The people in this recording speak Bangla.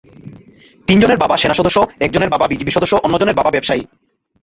তিনজনের বাবা সেনা সদস্য, একজনের বাবা বিজিবি সদস্য, অন্যজনের বাবা ব্যবসায়ী।